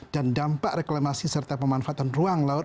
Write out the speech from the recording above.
dampak reklamasi serta pemanfaatan ruang laut